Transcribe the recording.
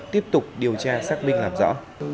tiếp tục điều tra xác minh làm rõ